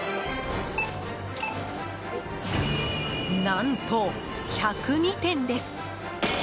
何と、１０２点です！